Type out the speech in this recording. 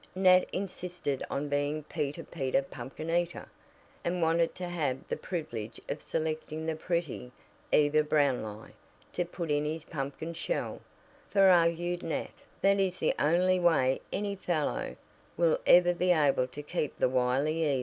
Nat insisted on being "Peter, Peter, Pumpkin Eater," and wanted to have the privilege of selecting the pretty Eva Brownlie to put in the pumpkin shell, "for," argued Nat, "that is the only way any fellow will ever be able to keep the wily Eva."